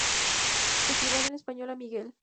Equivale en español a Miguel.